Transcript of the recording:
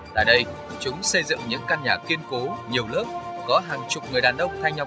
tại đây chúng xây dựng những căn nhà kiên cố nhiều lớp có hàng chục người đàn ông thay nhau